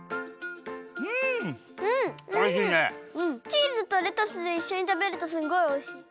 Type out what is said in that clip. チーズとレタスでいっしょにたべるとすんごいおいしい。